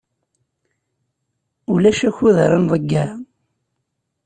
Ulac akud ara nḍeyyeɛ.